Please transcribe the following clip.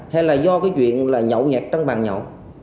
hay là do cái chuyện là nhậu nhẹt trăng bàn nhậu